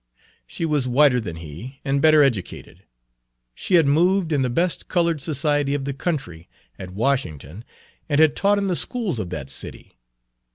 She was whiter than he, and better educated. She had moved in the best colored society of the country, at Washington, and had taught in the schools of that city.